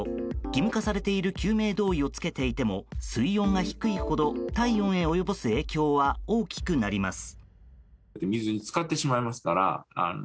義務化されている救命胴衣を着ていても体温へ及ぼす影響は大きくなります。